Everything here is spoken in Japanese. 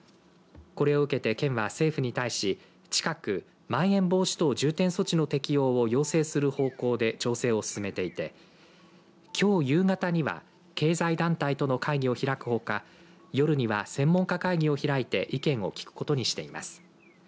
これを受けて県は政府に対し近くまん延防止等重点措置の適用を要請する方向で調整を進めていてきょう夕方には経済団体との会議を開くほか夜には、専門家会議を開いて意見を聞くことにしています。